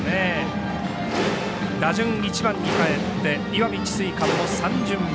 打順、１番にかえって石見智翠館も３巡目。